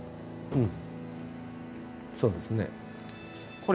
うん。